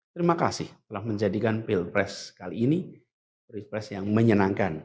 terima kasih telah menjadikan pilpres kali ini pilpres yang menyenangkan